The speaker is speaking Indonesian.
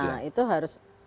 nah itu harus